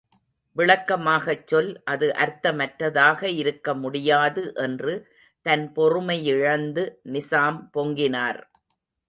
விளக்கமாகக் சொல் அது அர்த்தமற்றதாக இருக்க முடியாது என்று தன் பொறுமையிழந்து நிசாம் பொங்கினார்.